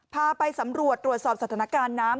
พาไปสำรวจตรวจสอบสถานการณ์น้ำ